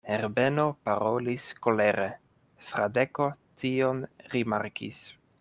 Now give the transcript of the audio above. Herbeno parolis kolere: Fradeko tion rimarkis.